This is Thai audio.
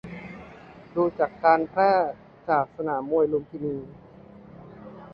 ดูจากการแพร่จากสนามมวยลุมพินี